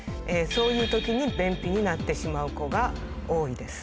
そういう時に便秘になってしまう子が多いです。